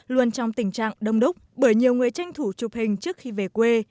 luôn trong tình trạng đông đúc bởi nhiều người tranh thủ chụp hình trước khi về quê